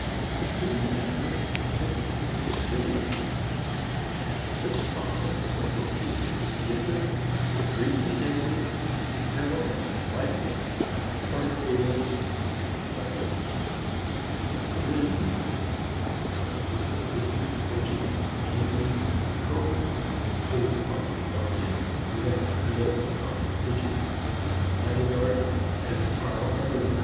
Soon after, something very serious happened. Lipp's father, the doorkeeper of the theatre, after drinking heavily, fell down lifeless by the card table in the White Horse; and my friend, in consequence of this misfortune, came under the control of a cold hearted guardian, who had as little comprehension of the dramatic art as Frau Eberlein.